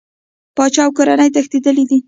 پاچا او کورنۍ تښتېدلي دي.